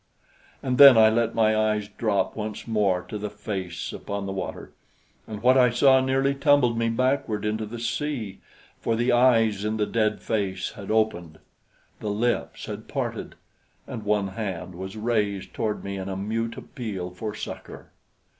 And then I let my eyes drop once more to the face upon the water, and what I saw nearly tumbled me backward into the sea, for the eyes in the dead face had opened; the lips had parted; and one hand was raised toward me in a mute appeal for succor.